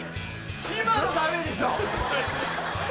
今のダメでしょ